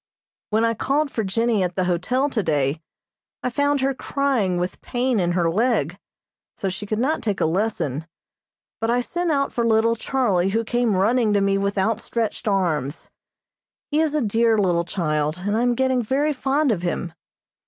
When I called for Jennie at the hotel today I found her crying with pain in her leg, so she could not take a lesson, but I sent out for little Charlie who came running to me with outstretched arms. He is a dear little child, and I am getting very fond of him.